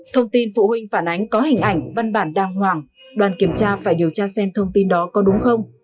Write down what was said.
thông tin phụ huynh phản ánh có hình ảnh văn bản đàng hoàng đoàn kiểm tra phải điều tra xem thông tin đó có đúng không